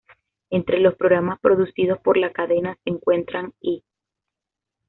Entre los programas producidos por la cadena se encuentran "E!